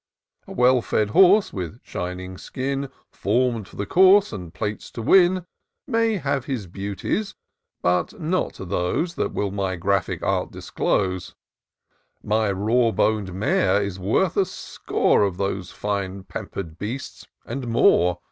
A well fed horse, with shining skiii, Form'd for the course, and plates to win, May have his beauties, but not those That will my graphic art disclose : My raw bon'd mare is worth a score Of these feie pamper'd beasts, and more, IN SEARCH OP THE PICTURESQUE.